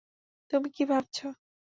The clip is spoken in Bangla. তুমি কি ভাবছ?